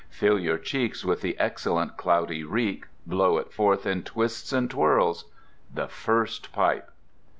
Fill your cheeks with the excellent cloudy reek, blow it forth in twists and twirls. The first pipe!